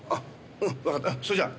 うんそれじゃあ。